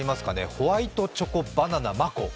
「ホワイトチョコバナナマコ」。